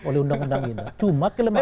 oleh undang undang kita cuma kelemahan